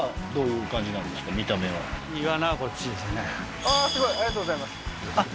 ええああーすごいありがとうございますあっ